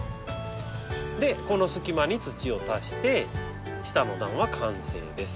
でこの隙間に土を足して下の段は完成です。